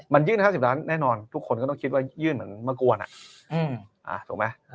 มันยื่น๕๐ล้านแน่นอนทุกคนก็ต้องคิดว่ายื่นเหมือนเมื่อกวนถูกไหม